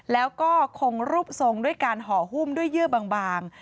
แล้วก็คงรูปทรงด้วยการห่อหุ้มด้วยเยื่อบาง